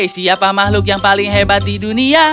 siapa makhluk terhebat di dunia